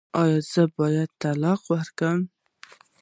ایا زه باید طلاق ورکړم؟